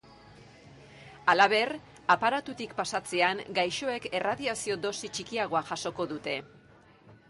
Halaber, aparatutik pasatzean gaixoek erradiazio-dosi txikiagoa jasoko dute.